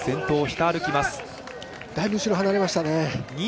だいぶ後ろ、離れましたね。